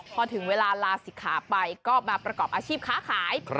พอถึงเวลาลาศิกขาไปก็มาประกอบอาชีพค้าขาย